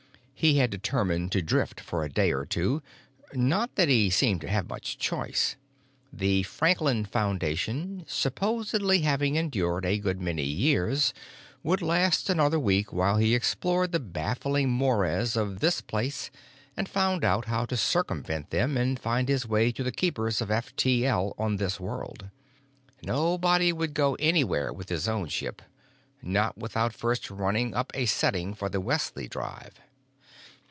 He had determined to drift for a day or two—not that he seemed to have much choice. The Franklin Foundation, supposedly having endured a good many years, would last another week while he explored the baffling mores of this place and found out how to circumvent them and find his way to the keepers of F T L on this world. Nobody would go anywhere with his own ship—not without first running up a setting for the Wesley Drive!